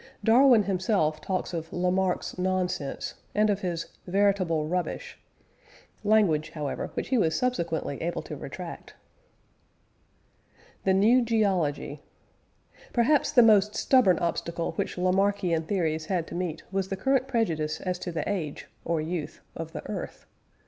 Darwin himself talks of "Lamarck's nonsense," and of his "veritable rubbish" language, however, which he was subsequently able to retract. THE NEW GEOLOGY. Perhaps the most stubborn obstacle which Lamarckian theories had to meet was the current prejudice as to the age (or youth) of the earth.